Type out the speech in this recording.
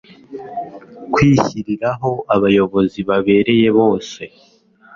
kwishyiriraho abayobozi babereye bose